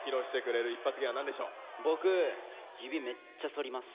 僕指めっちゃ反ります。